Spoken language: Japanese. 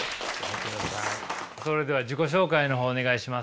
それでは自己紹介の方お願いします。